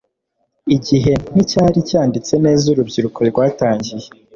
Igihe nticyari cyanditse neza urubyiruko rwatangiye